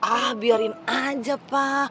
ah biarin aja pa